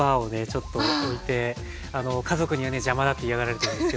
ちょっと置いて家族にはね邪魔だって嫌がられてるんですけども。